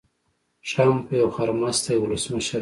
ټرمپ يو خرمستی ولسمشر دي.